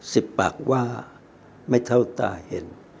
สิบปากว่าไม่เท่าตาเห็น